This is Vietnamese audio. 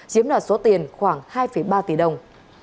giếm đoạt số tiền khoảng hai ba tỷ đồng